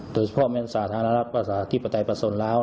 โดยเฉพาะมันสาธารณะภาษาธิปไตยประสงค์ลาว